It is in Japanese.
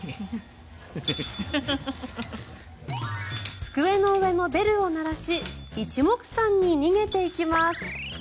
机の上のベルを鳴らし一目散に逃げていきます。